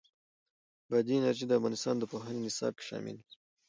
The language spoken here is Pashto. بادي انرژي د افغانستان د پوهنې نصاب کې شامل دي.